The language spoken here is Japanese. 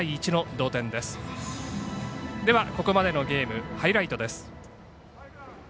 ここまでのゲームハイライトです。